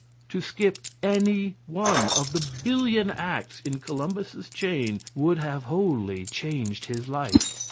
To skip any one of the billion acts in Columbus's chain would have wholly changed his life.